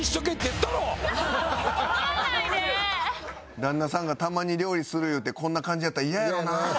旦那さんがたまに料理する言うてこんな感じやったら嫌やろな。